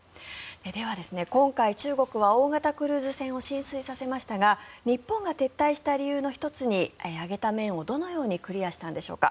では今回、中国は大型クルーズ船を進水させましたが日本が撤退した理由の１つに挙げた面をどのようにクリアしたんでしょうか。